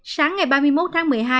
sáng ngày ba mươi một tháng một mươi hai